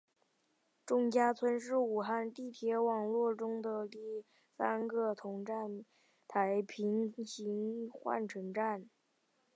钟家村是武汉地铁网络中第三个同站台平行换乘站。